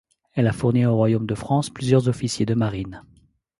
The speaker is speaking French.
Elle a fourni au royaume de France plusieurs officiers de marine.